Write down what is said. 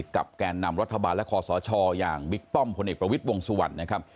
แก่นำรัฐบาลและคอสชอย่างบิ๊กป้อมพลเอกประวิทย์วงสุวรรณนะครับ